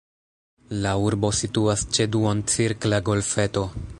La urbo situas ĉe duoncirkla golfeto.